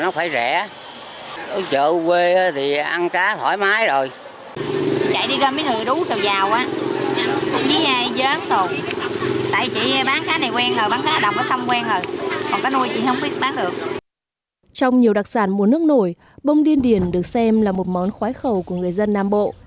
trong nhiều đặc sản mùa nước nổi bông điên điển được xem là một món khoái khẩu của người dân nam bộ